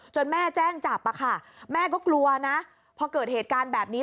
แม่แจ้งจับค่ะแม่ก็กลัวนะพอเกิดเหตุการณ์แบบนี้